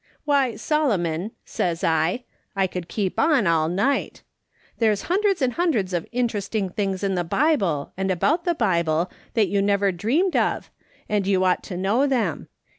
"' Why, Solomon,' says I, ' I could keep on all night. There's hundreds and hundreds of interesting things in the Bible and about the Bible that you never dreamed of, and you ought to know them.